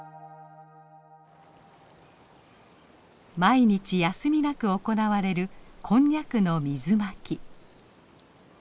毎日休みなく行われるこんにゃくの水まき。